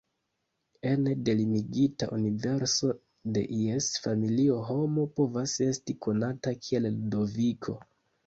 Ene de limigita universo de ies familio homo povas esti konata kiel "Ludoviko".